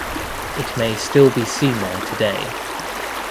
It may still be seen there today.